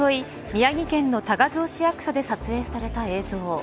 宮城県の多賀城市役所で撮影された映像。